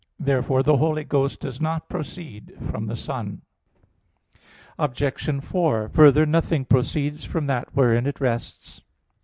Therefore the Holy Ghost does not proceed from the Son. Obj. 4: Further, Nothing proceeds from that wherein it rests.